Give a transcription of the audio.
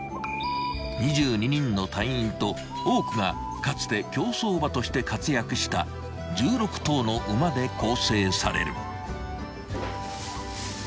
［２２人の隊員と多くがかつて競走馬として活躍した１６頭の馬で構成される］